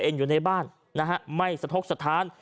ขังเองอยู่ในบ้านนะครับไม่สะทกสถาน